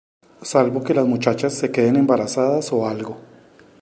Salvo que las muchachas se queden embarazadas o algo".